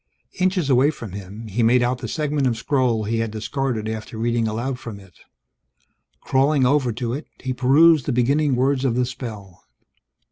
Inches away from him, he made out the segment of scroll he had discarded after reading aloud from it. Crawling over to it, he perused the beginning words of the spell.